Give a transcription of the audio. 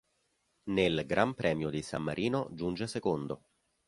Nel Gran Premio di San Marino giunge secondo.